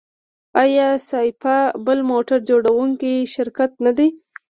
آیا سایپا بل موټر جوړوونکی شرکت نه دی؟